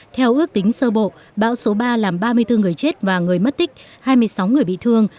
theo ước tính sơ bộ bão số ba làm ba mươi bốn người chết và người mất tích hai mươi sáu người bị thương